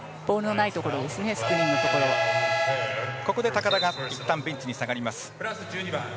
ここで高田がいったんベンチに下がります。